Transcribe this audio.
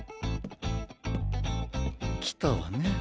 きたわね。